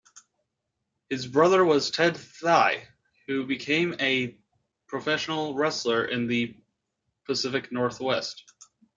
His brother was Ted Thye, who became a professional wrestler in the Pacific Northwest.